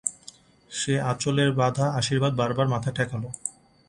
সেই আঁচলে-বাঁধা আশীর্বাদ বার বার মাথায় ঠেকালে।